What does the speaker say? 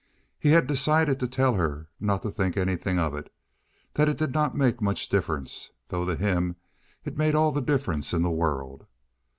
He had decided to tell her not to think anything of it—that it did not make much difference, though to him it made all the difference in the world.